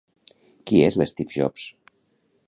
Qui és l'Steve Jobs?